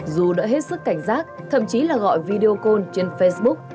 dù đã hết sức cảnh giác thậm chí là gọi video call trên facebook